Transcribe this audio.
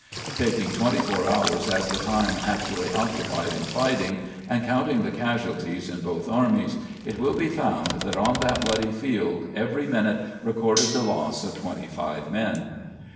Tak ing twenty four hours as the time actually occupied in fighting, and counting the casualties in both armies, it will be found that on that bloody field every minute recorded the loss of twenty five men.